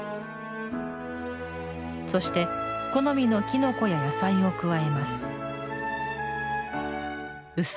そして、好みのきのこや野菜を加えます。